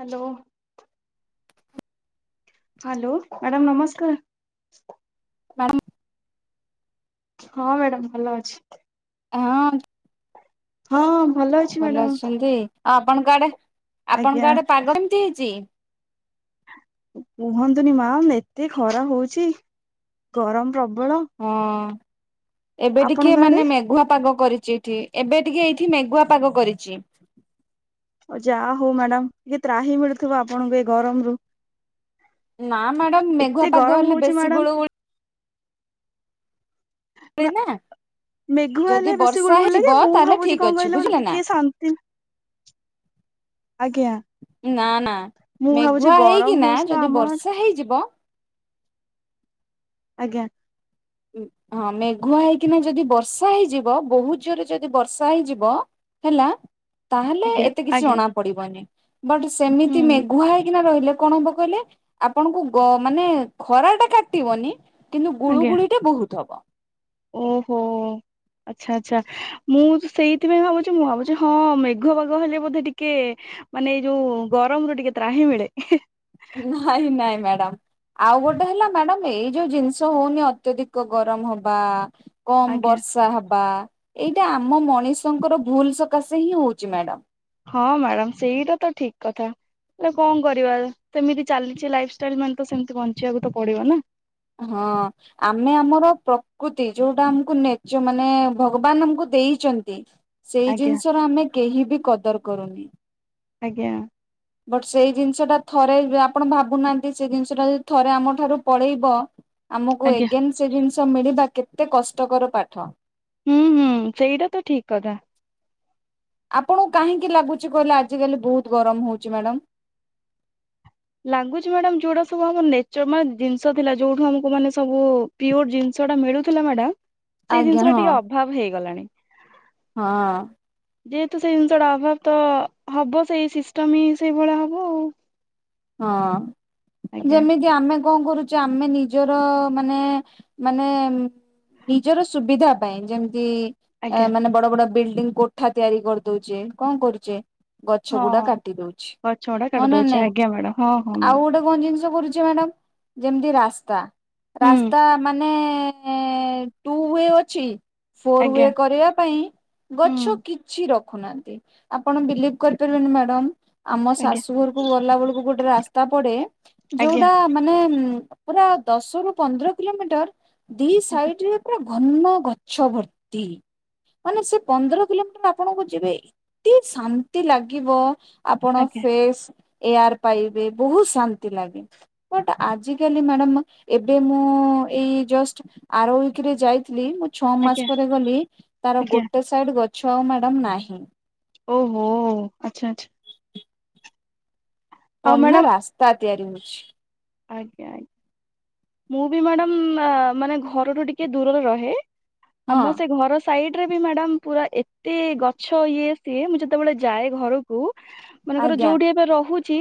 Hello hello madam ନମସ୍କାର। Madam. ହଁ madam ଭଲ ଅଛି। ହଁ। ହଁ। ଅଛି ଭଲ ମ୍ୟାଡ଼ାମ ଅଛନ୍ତି। ଆପଣଙ୍କ ଆଡେ। ଆଜ୍ଞା ଆପଣଙ୍କ ଆଡେ ପାଗ କେମିତି ହେଇଛି। କୁହନ୍ତୁନି ମାମ୍ ଏତେ ଖରା ହଉଛି ଗରମ ପ୍ରବ। ହଁ। ଏବେ ଟିକେ ଆପଣଙ୍କ ଆଡେ ମାନେ ମେଘୁଆ ପାଗ କରି। ଯେଠି ଏବେ ଟିକେ ଏଠି ମେଘୁଆ ପାଗ କରିଛି। ହ ଯାହା ହଉ ମ୍ୟାଡମ୍ ଟିକେ ତ୍ରାହି ମିଳୁଥିବ ଆପଣଙ୍କୁ ଏଇ ଗରମ ରୁ। ନା ମ୍ୟାଡମ୍ ମେଘୁଆ ଏତେ ପାଗ ଗରମ ହେଲେ ହଉଛି ବେଶୀ ମ୍ୟାଡାମ ଗୁଳୁ ଗୁଳି। ନା ମେଘୁଆ ଯଦି ହେଲେ ବେଶୀ ବର୍ଷା ଗୁଲୁ ଗୁଲୁ ହେଇଯିବ ଲାଗେ ମୁଁ ତାହେଲେ ଭାବୁଛି ଠିକ କଣ ଅଛି କହିଳ ମତେ ବୁଝିଲେ ନା ଟିକେ ଶାନ୍ତି। ଆଜ୍ଞା ନା ନା ମୁଁ ଭାବୁଛି ମେଘୁଆ ଗରମ ହେଇକିନା ହଉଛି ତ ଯଦି ଆମର ବର୍ଷା ହେଇଯିବ। ଆଜ୍ଞା। ହଁ ମେଘୁଆ ହେଇକିନା ଯଦି ବର୍ଷା ହେଇଯିବ ବହୁତ ଜୋରେ ଯଦି ବର୍ଷା ହେଇଯିବ ହେଲା। ତାହେଲେ ଆଜ୍ଞା ଏତେ କିଛି ଆଜ୍ଞା ଜଣା ପଡିବନି। ବଟ୍ ସେମିତି ହୁଁ ମେଘୁଆ ହେଇକିନା ରହି। ହେଲେ କଣ ହବ କହିଲେ ଆପଣଙ୍କୁ ମାନେ ଗ ଖରାଟା କାଟିବନି। କିନ୍ତୁ ଗୁଳୁ ଆଜ୍ଞା ଗୁଳି। ବା। ଓହୋ ଆଚ୍ଛା ଆଚ୍ଛା ମୁଁ ସେଇଥିପାଇଁ ଭାବୁଛି, ମୁଁ ଭାବୁଛି ହଁ ମେଘ ପାଗ ହେଲେ ବୋଧେ ଟିକେ ମାନେ ଏଇ ଯୋଉ ଗରମରୁ ଟିକେ ତ୍ରାହି ମିଳେ। ନାଇଁ ନାଇଁ ମ୍ୟାଡମ୍ ଆଉ ଗୋଟେ ହେଲା ମ୍ୟାଡମ୍ ଏଇ ଯୋଉ ଜିନିଷ ହଉନି ଅତ୍ୟଧିକ ଗରମ ହେବା। କମ ଆଜ୍ଞା ବର୍ଷା ହେବା। ଏଇଟା ଆମ ମଣିଷଙ୍କର ଭୁଲ ସକାଶେ ହିଁ ହଉଛି ମ୍ୟାଡମ୍। ହଁ ମ୍ୟାଡମ୍ ସେଇଟା ତ ଠିକ କଥା ହେଲେ କଣ କରିବା ସେମିତି ଚାଲିଛି ଲାଇଫଷ୍ଟାଇଲ ମାନେ ତ ସେମିତି ବଞ୍ଚିବାକୁ ତ ପଡିବ ନା ହଁ ଆମେ ଆମର ପ୍ରକୃତି ଯୋଉଟା ଆମକୁ ନେଚ ମାନେ ଭଗବାନ ଆମକୁ ଦେଇଛନ୍ତି। ସେଇ ଆଜ୍ଞା ଜିନିଷ ର ଆମେ କେହି ବି କଦର କରନି। ଆଜ୍ଞା। ବଟ୍ ସେଇ ଜିନିଷ ଟା ଥରେ ଆପଣ ଭାବୁନାହାନ୍ତି ସେଇ ଜିନିଷ ଟା ଯଦି ଥରେ ଆମ ଠାରୁ ପଳେଇବ। ଆମକୁ ଆଜ୍ଞା ଏଗେନ୍ ସେ ଜିନିଷ ଷ ମିଳିବା କେତେ କଷ୍ଟକର ପାଠ। ହୁଁ ହୁଁ ସେଇଟା ତ ଠିକ କଥା। ଆପଣଙ୍କୁ କାହିଁକି ଲାଗୁଛି କହିଲେ ଆଜି କାଲି ବହୁତ ଗରମ ହଉଛି ମ୍ୟାଡାମ। ଲାଗୁଛି ମ୍ୟାଡ ଯୋଉଟା ସବୁ ଆମ ନେଚର ମାନେ ଜିନିଷ ଥିଲା ଯୋଉଠୁ ଆମକୁ ମାନେ ସବୁ ପିଓର ଜିନିଷ ଟା ମିଳୁଥିଲା ମ୍ୟାଡମ। ସେଇ ଆଜ୍ଞା ଜିନିଷର ହଁ ଟିକେ ଅଭାବ ହେଇଗଲାଣି। ହଁ। ଯେହେତୁ ସେଇ ଜିନିଷଟା ଅଭାବ ତ ହବ ସେଇ ସିଷ୍ଟମ ହିଁ ସେଇଭଳିଆ ହବ ଆଉ। ହଁ। ଆଜ୍ଞା ଯେମିତି ଆମେ କଣ କରୁଛୁ ଆମେ ନିଜର ମାନେ ମାନେ ନିଜର ସୁବିଧା ପାଇଁ ଯେମି ଆଜ୍ଞା ମାନେ ବଡ ବଡ ବିଲ୍ଡି କୋଠା ତିଆରି କରିଦଉଛେ କଣ କରୁଛେ। ହଁ ଗଛଗୁଡା କାଟି ଦଉଛି ହଁ ନା ନାଇଁ ମ୍ୟାଡ଼ମ ହଁ ହଁ ଆଉ ମ୍ୟାଡ଼ମ୍। ଗୋଟେ କଣ ଜିନିଷ କରୁଛି ମ୍ୟାଡ଼ାମ ଯେମିତି ରାସ୍ତା ହୁଁ ରାସ୍ତା ମାନେ ମାନେ ଟୁ ୱେ ଅଛି। ଫୋର ଆଜ୍ଞା ୱେ କରିବା ପାଇଁ ଗଛ ହୁଁ କିଛି ରଖ। ହା ଆପଣ ବିଲିଭ କରିପାରିବେନି ମ୍ୟାଡ଼ାମ। ଆମ ଆଜ୍ଞା ଶାଶୁ ଘରକୁ ଗଲା ବେଳକୁ ଗୋଟେ ରାସ୍ତା ପଡେ ଆଜ୍ଞା ଯୋଉଟା ମାନେ ପୁରା ଦଶରୁୁ ପନ୍ଦର କିଲୋମିଟର ଦି ଆଜ୍ଞା ସାଇଟରେ ଘନ ଗଛ ଭତ୍ରି ମାନେ ସେ ପନ୍ଦର କିଲୋମିଟର ଆପଣଙ୍କୁ ଯିବେ ଏତେ ଶାନ୍ତି ଲାଗିବ। ଆପଣ ଆଜ୍ଞା ଫେସ୍ ଏଆର୍ ପାଇବେ ବହୁତ ଶାନ୍ତି ଲାଗେ ବଟ ଆଜିକାଲି ମ୍ୟାଡ଼ମ ଏବେ ମୁଁ ଏଇ ଜଷ୍ଟ ଆର ୱିକରେ ଯାଇଥିଲି। ଛଅ ମାସ ଆଜ୍ଞା ପରେ ଗଲି ତାର ଆଜ୍ଞା ଗୋଟେ ସାଇଡ ଗଛ ଛଅ ମ୍ୟାଡ଼ମ୍ ନାହିଁ। ଓହୋ ଆଚ୍ଛା ଆଛା ପ ନା ମ୍ୟାଡାମ ରାସ୍ତା ତିଆରି ହେଉଛି। ଆଜ୍ଞା ମୁଁ ବି ମ୍ୟାଡାମ ମାନେ ଘରଠୁ ଟିକେ ଦୂରରେ ରହେ। ହଁ ଆମ ସେ ଘର। ସାଇଡ ରେ ବି ମ୍ୟାଡ଼ାମ ପୁରା ଏତେ ଗଛ ଇଏ ସିଏ ମୁଁ ଯେତେବେଳେ ଯାଏ ଘରକୁ ମନେକର ଆଜ୍ଞା ଯୋଉଠି ଏବେ ରହୁ ଛି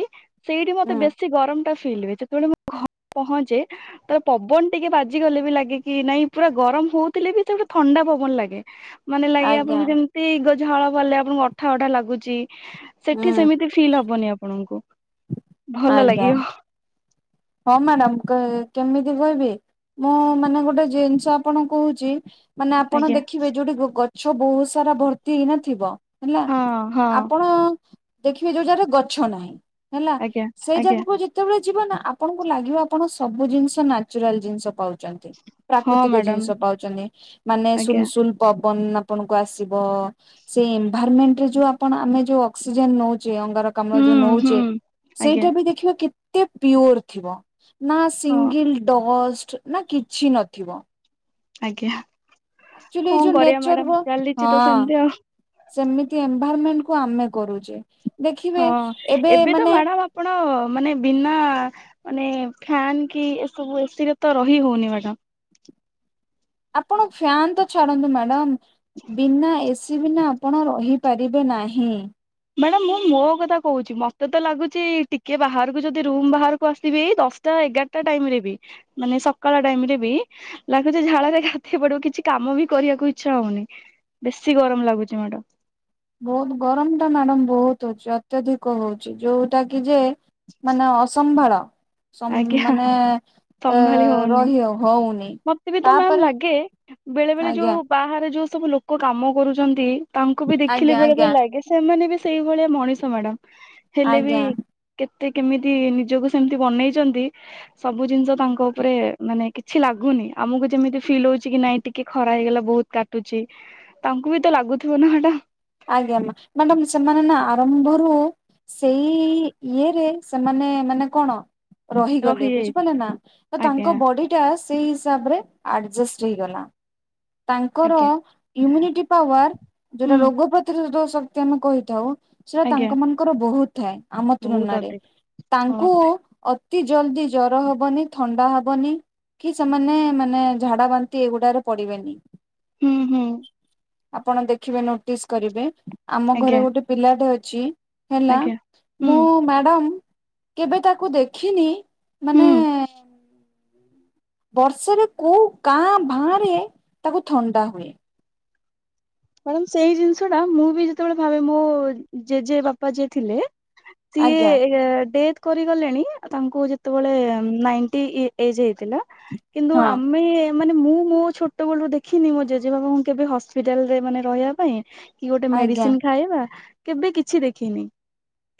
ସେଇଠି ମତେ ହୁଁ ବେଶୀ ଗରମ ଫିଲ୍ ହୁଏ। ମ ଘରେ ପହଞ୍ଚେ ତ ପବନ ଟିକେ ବାଜିଗଲେ ବି ଲାଗେ କି ନାଇଁ ପୁରା ଗରମ ହଉଥିଲେ ବି ସେ ଗୋଟେ ଥଣ୍ଡା ପବନ ଲାଗେ। ମାନେ ଲାଗେ ଆଜ୍ଞା ଆପଣଙ୍କୁ ଯେମିତି ଝାଳ ବାହାରିଲେ ଆପଣଙ୍କୁ ଅଠା ଅଠା ଲାଗୁଛି। ହୁଁ ସେଠି ସେମିତି ଫିଲ୍ ହବନି ଆପଣଙ୍କୁ ଭଲ ଆଜ୍ଞା। ଲାଗିବ। ହଁ ମ୍ୟାଡାମ କେମିତି କହିବି ମୁଁ ମାନେ ଗୋଟେ ଜିନିଷ ଆପଣ କହୁଛି ମାନେ ଆପଣ ଆଜ୍ଞା ଦେଖିବେ ଯୋଉଠି ଛୁ ବହୁତ ସାରା ଭର୍ତ୍ତି ହେଇନଥିବ ହେଲା ହଁ ହଁ ଆପଣ ଦେଖିବେ ଯୋଉ ଯାଗାରେ ଗଛ ନାହିଁ। ହେଲା ଆଜ୍ଞା ସେଇ ଆଜ୍ଞା ଜାଗାକୁ ଯେତେବେଳେ ଯିବ ନା ଆପଣଙ୍କୁ ଲାଗିବ ଆପଣ ସବୁ ଜିନିଷ ନାଚୁରାଲ ଜିନିଷ ପାଉଛନ୍ତି। ହଁ ପ୍ରାକୃତିକ ଜିନିଷ ମ୍ୟାଡାମ ପାଉଛନ୍ତି ମାନେ ଆଜ୍ଞା ସୁଲସୁଲ ପବନ ଆପଣ ଙ୍କୁ ଆସିବ ସେଇ ଏନଭରମେଣ୍ଟ ରେ ଯଉ ଆପଣ ଆମେ ଯଉ ଅକ୍ସିଜେନ ନଉ ଅଙ୍ଗାର କାମ୍ଳ ହୁଁ ଯୋଉ ହୁଁ ନଉଛେ ଆଜ୍ଞା ସେଇଟା ବି ଦେଖିବା କେ ପିର ଥିବ। ନା ହଁ ସିଙ୍ଗଲ ଡସ୍ ନା କିଛି ନଥିବ। ଆଜ୍ଞା ଆକ୍ଚୁଆଲି ଏଇ କଣ ଯୋଉ କରିବା ନେଚର ବ ମ୍ୟାଡାାମ ଚାଲିଛି ତ ହଁ ସେମତି ଆଉ ସେମିତି ଏନଭାରମେଣ୍ଟ କୁ ଆମେ କରୁଛେ। ଦେଖିବେ ହଁ ଏବେ ତ ମ୍ୟାଡ଼ାମ ଆପଣ ମାନେ ବିନା ଆ ମାନେ ଫ୍ୟାନ କି ଏସବୁ ଏସିରେ ତ ରହି ହଉନି ମ୍ୟାଡମ୍। ଆପଣ ଫ୍ୟାାନ ତ ଛାଡନ୍ତୁ ମ୍ୟାଡାମ। ବିନା ଏସି କି ବିନା ଆପଣ ରହିପାରିବେ ନାହିଁ। ମ୍ୟାଡାମ୍ ମୁଁ ମୋ କଥା କହୁଛି ମତେ ତ ଲାଗୁଛି ଟିକେ ବାହାରକୁ ଯଦି ରୁମ ବାହାରକୁ ଆସିବି ଦଶଟା ଏଗାରଟା ଟାଇମ୍ ରେ ବି ମାନେ ସକାଳ ଟାଇମ୍ ରେ ବି ଲାଗୁଛି, ଝାଳରେ ଗାଧେଇ ପଡିବି। କିଛି କାମ ବି କରିବାକୁ ଇଛା ହଉନି ବେଶୀ ଗରମ ଲାଗୁଛି ମ୍ୟାଡ୍ ବହୁତ ଗରମ ଟା ମ୍ୟାଡମ ବହୁତ ହଉଛି ଅତ୍ୟଧିକ ହଉଛି ଯୋଉଟା କି ଯେ ମାନେ ଅସମ୍ଭାଳ। ସମ୍ ଆଜ୍ଞା ମାନେ ଅ ସମ୍ଭାଳି ହଉନି। ରହିି ହଉନି। ମତେ ବି ତ ମ୍ୟାମ୍ ତାପରେ ଲାଗେ ବେଳେ ବେଳେ ଆଜ୍ଞା ଯୋଉ ବାହାରେ ଯୋଉ ସବୁ ଲୋକ କାମ କରୁଛନ୍ତି। ତାଙ୍କୁ ବି ଦେଖିଲେ ଆଜ୍ଞା ବେଳେବେଳେ ଆଜ୍ଞା ଲାଗେ ସେମାନେ ବି ସେଇଭଳିଆ ମଣିଷ! ସେ ମ୍ୟାଡ଼ାମ୍। ହେଲେ ବି ଆଜ୍ଞା। କେତ୍ ତେ କେମିତି ନିଜକୁ ସେମିତି ବନେଇଛନ୍ତି ସବୁ ଜିନିଷ ତାଙ୍କ ଉପରେ ମାନେ କିଛି ଲାଗ ଲାଗୁନି ଆମକୁ ଯେମିତି ଫିଲ୍ ହଉଛି କି ନାଇଁ ଟିକେ ଖରା ହେଇଗଲା ବହୁତ କାଟୁଛି ତାଙ୍କୁ ବି ତ ଲାଗୁଥିବ ନା ମ୍ୟାଡ଼ମ୍। ଆଜ୍ଞା ମା ମ୍ୟାଡାମ୍ ସେମାନେ ନା ଆରମ୍ଭରୁ ସେଇ ଇଏରେ ସେମାନେ ମାନେ କଣ ରହିଗଲେ ରହିଯାଇଛି ବୁଝିପାରିଲେ ନା ତ ଆଜ୍ଞା ତାଙ୍କ ବଡି ଟା ସେଇ ହିସାବରେ ଆଡ ଆଜଷ୍ଟ ହେଇଗଲା। ତାଙ୍କର ଆଜ୍ଞା ଇମ୍ୟୁନିଟି ପାୱାର ଯୋଉଟା ହୁଁ ରୋଗ [unintelligible] ଶକ୍ତି ଆମେ କହିଥାଉ। ସେଟା ଆଜ୍ଞା ତାଙ୍କ ମାନଙ୍କର ବହୁତ। ଥାଏ। ଆମ ବହୁତ ତୁଳନାରେ ଅଧିକ ହଁ ତାଙ୍କୁ ଅତ୍ ତି ଜଲଦି ଜର ହବନି ଥଣ୍ଡା ହବନି କି ସେମାନେ ମାନେ ଝାଡା ବାନ୍ତି ଏଗୁଡାରେ ପଡିବେନି। ହୁଁ ହୁଁ। ଆପଣ ଦେଖିବେ ନୋଟିସ୍ କରିବେ। ଆମ ଘରେ ଆଜ୍ଞା ଗୋଟେ ପିଲାଟେ ଅ ଚିଁ। ହେଲା ଆଜ୍ଞା ହୁଁ ମୁଁ ମ୍ୟାଡାମ୍ କେବେ ତାକୁ ଦେଖିନି। ହୁଁ ମାନେ-ଏ -ଏଁ। ବର୍ଷରେ କଉ କାଁ ଭାଁ ରେ ତାକୁ ଥଣ୍ଡା ହୁଏ। ମ୍ୟାଡ଼ମ୍ ସେଇ ଜିନିଷ ଟା ମୁଁ ବି ଯେତେବେଳେ ଭାବେ ମୋ ଜେଜେ ବାପା ଜେ ଥିଲେ ସିଏ ଆଜ୍ଞା ଡେଥ କରିଗଲେଣି ତାଙ୍କୁ ଯେତେବେଳେ ନାଇଣ୍ଟି ଏଜ ହେଇ ଥିଲା କିନ୍ତୁ ହଁ ଆମେ ମାନେ ମୁଁ ମୋ ଛୋଟବେେଳରୁ ଦେଖିନି ମୋ ଜେଜେ ବାବାଙ୍କୁ କେବେ ହସ୍ପିଟାଲ। ମାନେ ରହିବା ପାଇଁ। କି ଗୋଟେ ଆଜ୍ଞା ମେଡିସିନ ଖାଇବା। କେବେ କିଛି ଦେଖିନି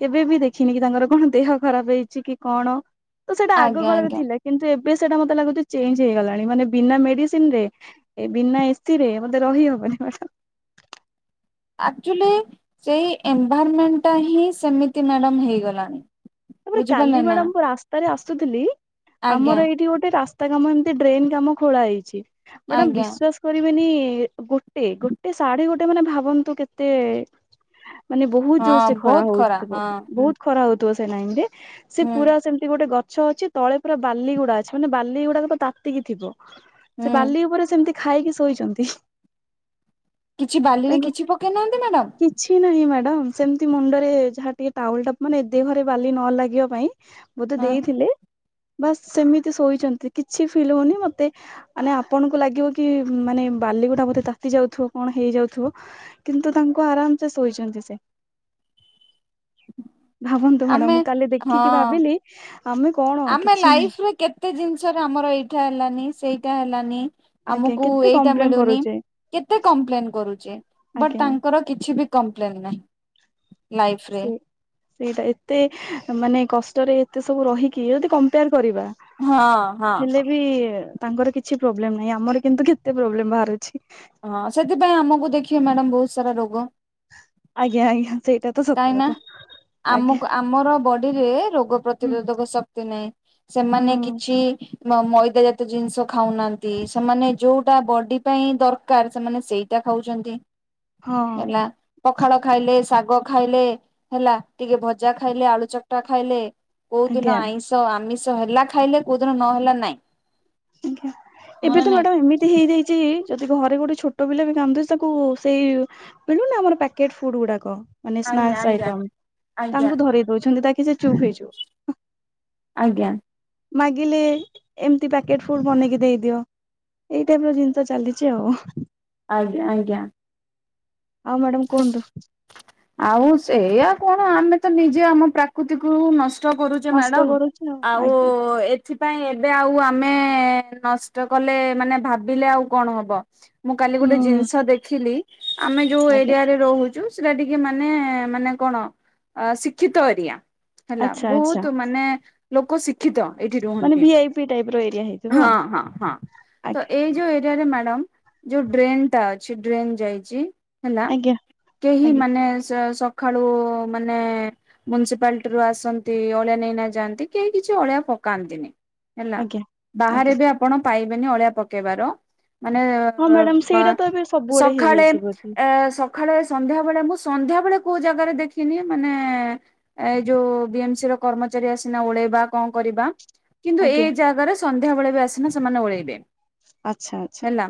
କେବେ ବି ଦେଖିନି କି ତାଙ୍କର କଣ ଦେହ ଖରାପ ହେଇଛି କି କଣ। ତ ସେଟା ଆଗ ଆଜ୍ଞା କଳରେ ଆଜ୍ଞା ଥିଲା କିନ୍ତୁ ଏ। ଏବେ ସେଟା ମତେ ଲାଗୁଛି ଚେଞ୍ଜ ହେଇଗଲାଣି ମାନେ ବିନା ମେଡିସିନ ରେ ବିନା ଏସି ରେ ମତେ ରହିହବନି? ଆଚୁ ସେଇ ଏନଭରମେଣ୍ଟା ହିଁ ସେମି ମ୍ୟାଡ଼ ହେଇଗଲାଣି। ତାପରେ ବୁଝିପାରିଲେ କାଲି ନା ମ୍ୟାଡ଼ାମ ପୁର ଆ। ତାର ଆସୁଥିଲି। ଆଜ୍ଞା ଆମର ଏଇଠି ଗୋଟେ ରାସ୍ତା। ତା କାମ ଏମିତି ଡ୍ରେନ କାମ ଖୋଳା ହେଇଛି। ମଟା ଆଜ୍ଞା ବିଶ୍ୱାସ କରି ଗୋଟେ ଗୋଟେ ଶାଢୀ ଗୋଟେ ମାନେ ଭାବନ୍ତୁ କେତେ। ମାନେ ବହୁତ ଜୋର ହଁ ସେ ଖରା ବହୁତ ହଉଥିବ ହଁ ହୁଁ ବହୁତ ଖରା ହଉଥିବ। ସେଲାଇରେ ସେ ହୁଁ ପୁରା ସେମିତି ଗୋଟେ ଗ ଗଛ ଅଛି ତଳେ ପୁରା ବାଲିଗୁଡା ଅଛି, ମାନେ ବାଲି ଗଗୁଡାକ ତ ତାତିକି ଥିବ। ସେ ହୁଁ ବାଲି ଉପରେ ସେମିତି। ଖାଇକି ଶୋଇଛନ୍ତି। କିଛି ବାଲିରେ ତାଙ୍କୁ କିଛି ପକେଇ ନାହାନ୍ତି ମ୍ୟାଡାମ। କିଛି ନାହିଁ ସେମିତି ମୁଣ୍ଡରେ ଯାହା ଟିକେ ଟଉଲ ଟାନେ ଦେରେ। ବାଲି ନ ଲାଗିବା ପାଇଁ। ମୁଁ ତେ ହଁ ଦେଇଥିଲେ। ବାସ୍ ସେମିତି ଶୋଇଛନ୍ତି କିଛି ଫିଲ୍ ହଉନି ମତେ ମାନେ ଆପଣଙ୍କୁ ଲାଗିବ କି ମାନେ ବାଲିଗୋଟା ମୋତେ ତାତି ଯାଉଥିବ କଣ ହେଇଯାଉଥିବ କିନ୍ତୁ ତାଙ୍କୁ ଆରାମ ସେ ଶୋଇଛନ୍ତି ସେ ଭାବନ। କଣ ଆମେ ମୁଁ କାଲି ହଁ ଦେଖିକି ଭାବିଲି। ଆମେ କଣ ଆମେ କିଛି ନାହିଁ ଲାଇଫ ରରେ କେତେ ଜିନିଷ ର ଆମର ଏଇଠା ହେଲାନି ସେଇ। ତ ହେଲାନି। ଆଜ୍ଞା ଆମକୁ କେତେ ଏଇଟା କମ୍ପ୍ଲେନ ମିଳୁନି କରୁଛେ କେତେ କମ୍ପ୍ଲେନ କରୁଛେ ବଟ ଆଜ୍ଞା ତାଙ୍କର କିଛି ବି। କମ୍ପ୍ଲେନ୍ ନହିଁ। ସେ ସେଇଟା ଏତେ ମାନେ କଷ୍ଟ। ଏତେ ସବୁ ରହିକି ଯଦି କ କରିବା ହଁ ହଁ ହେଲେ ହଁ ବି ତାଙ୍କର କିଛି ପ୍ରୋବ୍ଲେମ ନାହିଁ ଆମର କିନ୍ତୁ କେତେ ପ୍ରୋବ୍ଲେମ ବାହାରୁଛି ହଁ ସେଥିପାଇଁ ଆମକୁ ଦେଖିବେ ମ୍ୟାଡ଼ାମ ବହୁତ ସାରା ରୋଗ ଆଜ୍ଞା ଆଜ୍ଞା ସେଇଟା ତ ସତ କାହିଁ ନା କଥା ଆଜ୍ଞା ଆମକୁ ଆମର ବ ରୋଗ ର ହୁଁ ପ୍ରତିରୋଧକ ଶକ୍ତି ନାହିଁ ହୁଁ ସେମାନେ କିଛି ମଇଦା ଜାତ ଜିନିଷ ଖାଉନାହାନ୍ତି ସେମାନେ ଯୋଉଟା ବଡି ପାଇଁ ଦରକାର ସେମାନେ ସେଇଟା ଖାଉଛନ୍ତି ହଁ। ହେଲା ପଖାଳ ଖାଇଲେ ଶାଗ। ଖାଇଲେ ହେଲା ଟିକେ ଭଜା ଖାଇଲେ ଆଳୁ ଚକଟା ଖାଇଲେ। କୋଉ ଆଜ୍ଞା ଦିନ ଆଇଁଷ ଆମିଷ। ହେଲା ଖାଇଲେ କୋଉ ଦିନ ନହେଲା ନାଇଁ। ଆଜ୍ଞା ହଁ ଏବେ ନା ତ ନାଇଁ ମ୍ୟାଡାମ ଏମିତି ହେଇଯାଇଛି। ଯଦି ଘରେ ଗୋଟେ ଛୋଟ ପିଲା ବି କାନ୍ଦୁଛି ତାକୁ ସେଇ ମିଳୁନି ଆମର ପ୍ୟାକେଟ ଫୁଡ ଗୁଡାକ। ମାନେ ଆଜ୍ଞା ସ୍ନାକ୍ସ ଆଜ୍ଞା ଆଇଟମ ଆଜ୍ଞା ତାଙ୍କୁ ଧରେଇ ଦଉଛନ୍ତି ତା କି ସେ ଚୁପ ହେଇଯାଉ। ଆଜ୍ଞା। ମାଗିଲେ ଏମିତି ପା ପ୍ୟାକେଟ ଫୁଡ ବନେଇକି ଦେଇଦିଅ ଏଇ ଟାଇପ ର ଜିନିଷ ଚାଲିଛି ଆଉ। ଆଜ୍ଞା ଆଜ୍ଞା। ଆଉ ମ୍ୟାଡାମ କୁହନ୍ତୁ ଆଉ ସେଇଆ କଣ ଆମେ। ତ ନିଜେ ଆମ ପ୍ରାକୃତିକୁ ନଷ କରୁଚେ ନଷ୍ଟ ମ୍ୟାଡ଼ମ କରୁଛି ଆଉ ଆଜ୍ଞା ଏଥି ପାଇଁ ଏବେ ଆଉ ଆମେ ନଷ୍ଟ କଲେ ମାନେ ଭାବିଲେ ଆଉ କଣ ହବ। ମୁଁ କାଲି ଗୋଟେ ହୁଁ ଜିନିଷ ଦେଖିଲି। ଆମେ ଯୋଉ ଏ। ଆଜ୍ଞା ରହୁଛୁ ସେଟା ଟିକେ ମାନେ ମାନେ କଣ ଅ ଶିକ୍ଷିତ ଏରିଆ। ହେଲା ଆଚ୍ଛା ଆଚ୍ଛା ବହୁତ ମାନେ। ଲୋକ ଶିଖ ଶିକ୍ଷିତ ଏଇଠି ମାନେ ରୁହନ୍ତି ଭି ଆଇ ପି ଟାଇପ ର ଏରିଆ ହେଇଥିବ ହଁ ଆଉ ହଁ ହଁ ତ ଆଜ୍ଞା ଏଇ ଯୋଉ ଏ ଏଠାରେ ମ୍ୟାଡମ ଯୋଉ ଡ୍ରେନ୍ ଟା ଅଛି ଡ୍ରେନ୍ ଯାଇଛି। ହେଲା। ଆଜ୍ଞା କେହି ଆଜ୍ଞା ମାନେ ସେ ସ ସଖାଳୁ ମାନେ ମୁନସିପାଲଟିରୁୁ ଆସନ୍ତି ଅଳିଆ ନେଇନା ଯାଆନ୍ତି କେହି କିଛି ଅଳିଆ ପକାନ୍ତିନି। ହେଲା ଆଜ୍ଞା ବାହାରେ ଆଜ୍ଞା ବି ଆପଣ। ପାଇବେନି ଅଳିଆ ପକେଇବାର ମାନେ ହଁ ମ୍ୟାଡାମ ବା ସେଇଟା ତ ଏବେ ସବୁଆଡେ ସଖାଳେ ହେଇଯାଇଛି ବୋଧେ ଏ ସ ସନ୍ଧ୍ୟାବେଳେ ମୁଁ ସନ୍ଧ୍ୟାବେଳେ କୋଉ ଜାଗାରେ ଦେଖିନି ମାନେ ଏ ଯୋଉ ବି ଏମ ସି ର କର୍ମଚାରୀ ଆସିନା ଓଳେଇବା କଣ କରିବା। କିନ୍ତୁ ଏଇ ଆଜ୍ଞା ଜାଗାରେ ସନ୍ଧ୍ୟାବେଳେ ବି ଆସିକିନା ସେମାନେ ଓଳେଇବେ। ଆଚ୍ଛା ଆଚ୍ଛା ହେଲା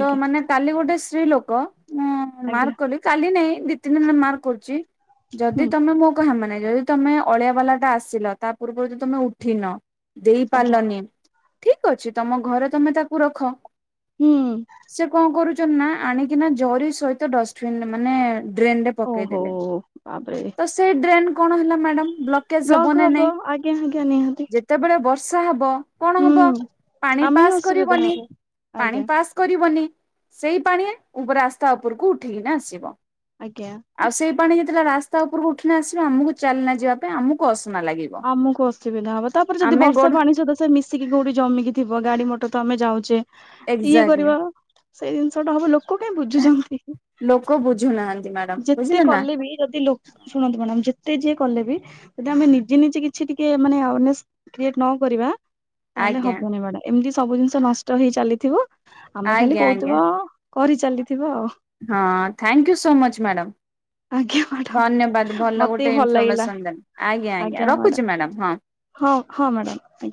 ତ ଆଜ୍ଞା ମାନେ କାଲି ଗୋଟେ। ସ୍ତ୍ରୀ ଲୋକ ମୁଁ ମାର୍କ ଆଜ୍ଞା। କଲି କାଲି ନାଇ ଦି ତିନି [inaudible] ହେଲା ମାର୍କ କରୁଛି ଯଦି ହୁଁ ତମେ ମୋ ମାନେ ଯଦି ତମେ ଅଳିଆ ବାଲା ଟା ଆସିଲା ତା ପୂର୍ବରୁ ଯଦି ତମେ ଉଠିନ ଆଜ୍ଞା ଦେଇପାରିଲନି। ଠିକ ଅଛି ତମ ଘରେ ତମେ ତାକୁ ରଖ ହୁଁ। ସେ କଣ କରୁଛନ୍ତି ନା ଆଣିକିନା ଜରି ସହିତ ଡ ଟ୍ରେନ ମାନେ ଡ୍ରେନ୍ ରେ ଓହୋ ପକେଇଦଲେ ବାପରେ ତ ସେଇ ଡ୍ରେନ୍ କଣ ହେଲା ମ୍ୟାଡ଼ାମ୍? [unintelligible] ହବ ବ୍ଲକ ନା ନାଇଁ ଆଜ୍ଞା ଆଜ୍ଞା ନିହାତି। ଯେତେବେଳେ ବର୍ଷ [inaudible] ହବ। କଣ ହୁଁ ହବ ପାଣି ଆମେ ହିଁ ପାସ୍ ଅସୁବିଧା କରିବନି ହବ ପାଣି ଆଜ୍ଞା ପାସ୍ କରିବନି। ସେଇ ପାଣି ରାସ୍ତା ଉପରକୁ ଉ ଉଠିକି ନା ଆସିବ। ଆଜ୍ଞା। ଆଉ ସେଇ ପାଣି ଥିଲା ରାସ୍ତା ଉପରକୁ ଉଠିଲେ ଆସିବା ଆମକୁ ଚାଲିଲା ଯିବା ପାଇଁ ଆମକୁ ଅସନା ଲାଗିବ ଆମକୁ ଅସୁବିଧା ହବ ତାପରେ ଯଦି ଆମେ ବର୍ଷା ଗୋଡ ପାଣି ସହିତ ସେ ମିଶିକି କୋଉଠି ଜମିକି ଥିବ। ଗାଡି ମଟର ତ ଆମେ ଯାଉଛେ। ଇଏ ଏକ୍ଜାକ୍ଟଲି କରିବା ସେଇ ଜିନିଷ ଟା ହବ ଲୋକ କାହିଁ ବୁଝୁଛନ୍ତି। ଲୋକ ବୁଝୁନାହାନ୍ତି ମ୍ୟାଡାମ ଯେତେ ବୁଝିଲେ ନା କଲେ ବି ଯଦି ଲୋକ ଶୁଣନ୍ତୁ ମ୍ୟାଡ଼ାମ୍ ଯେତେ ଯିଏ କଲେ ବି ଯଦି ଆମେ ନିଜେ ନିଜେ କିଛି ଟିକେ ମାନେ ଆୱାରନେସ୍ କ୍ରିଏଟ ନ କରିବା। ତାହେଲେ ଆଜ୍ଞା ହବନି ମ୍ୟାଡ଼ାମ୍ ଏମିତି। ସବୁ ଜିନିଷ ନଷ୍ଟ ହେଇ ଚାଲିଥିବ। ଆମେ ଖାଲି ଆଜ୍ଞା ଆଜ୍ଞା କହୁଥିବା କରି ଚାଲିଥିବ। ହଁ thank you so much madam. ଆଜ୍ଞା ଧନ୍ୟବାଦ୍ ମ୍ୟାଡାମ ଭଲ ମତେ ବି ଗୋଟେ ଲାଗିଲା ଇନଫରମେସନ ଦେଲେ। ଆଜ୍ଞା ଆଜ୍ଞା ରଖୁଚି ମ୍ୟାଡ଼ାମ୍। ହଁ ହଁ ମ୍ୟାଡାମ ଆଜ୍ଞା।